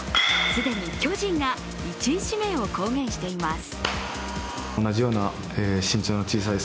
既に巨人が１位指名を公言しています。